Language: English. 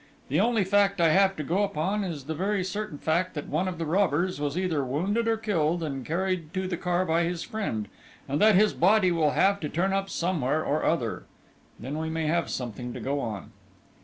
The only fact I have to go upon is the very certain fact that one of the robbers was either wounded or killed and carried to the car by his friend, and that his body will have to turn up somewhere or other then we may have something to go on."